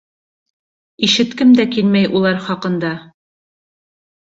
Ишеткем дә килмәй улар хаҡында!